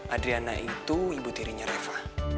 adriana itu ibu tirinya reva